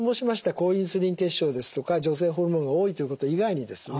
高インスリン血症ですとか女性ホルモンが多いということ以外にですね